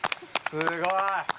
すごい！